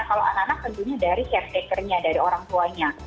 kalau anak anak tentunya dari share takernya dari orang tuanya